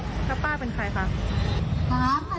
ครับป้าเป็นใครคะ